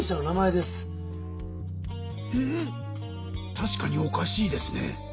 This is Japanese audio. たしかにおかしいですね。